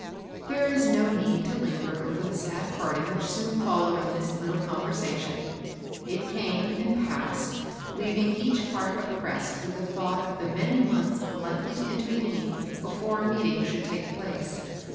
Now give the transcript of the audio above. There is no need to linger over the sad part ing which soon followed on this little conversation. It came and passed, leaving each heart oppressed with the thought of the many months likely to in tervene before a meeting should take place.